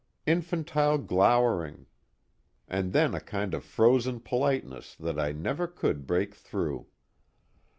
Infantile glowering, and then a kind of frozen politeness that I never could break through."